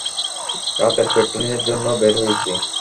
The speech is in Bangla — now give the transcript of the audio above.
রাতের পেট্রোলিং এর জন্য বের হয়েছি।